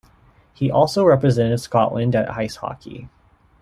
He also represented Scotland at ice hockey.